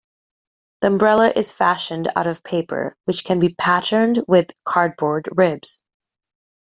The umbrella is fashioned out of paper, which can be patterned, with cardboard ribs.